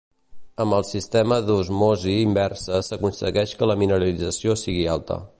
Amb el sistema d'osmosi inversa s'aconsegueix que la mineralització sigui alta.